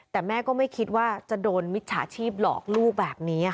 แต่แม่ก็ไม่คิดว่าจะโดนมิจฉาชีพหลอกลูกแบบนี้